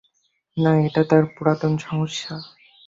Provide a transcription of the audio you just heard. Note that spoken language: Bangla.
না, এটা তার পুরাতন সমস্যা।